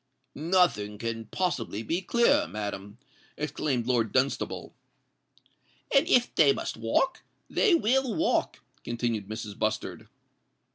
"Nothing can possibly be clearer, madam," exclaimed Lord Dunstable. "And if they must walk, they will walk," continued Mrs. Bustard.